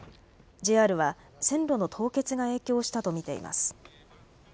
ＪＲは線路の凍結が影響したと見ています。